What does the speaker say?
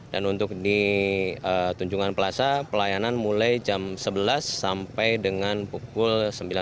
dan untuk di tunjungan plaza pelayanan mulai jam sebelas sampai dengan pukul sembilan belas